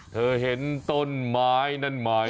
เธอเห็นต้นไม้นั่นไหม